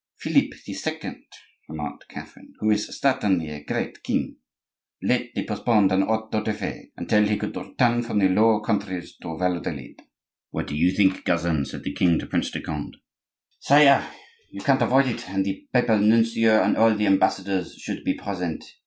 "Philip the Second," remarked Catherine, "who is certainly a great king, lately postponed an auto da fe until he could return from the Low Countries to Valladolid." "What do you think, cousin?" said the king to Prince de Conde. "Sire, you cannot avoid it, and the papal nuncio and all the ambassadors should be present.